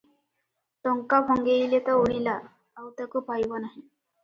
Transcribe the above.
ଟଙ୍କା ଭଙ୍ଗେଇଲେ ତ ଉଡ଼ିଲା, ଆଉ ତାକୁ ପାଇବ ନାହିଁ ।